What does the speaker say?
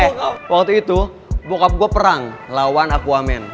eh waktu itu bokap gue perang lawan akuamen